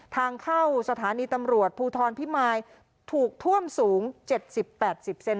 ทางเข้าสถานีตำรวจภูทรพิมายถูกท่วมสูง๗๐๘๐เซน